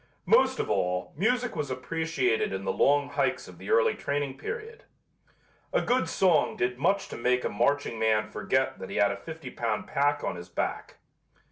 Most of all, music was appreciated in the long hikes of the early training period. A good song did much to make a marching man forget that he had a fifty pound pack on his back.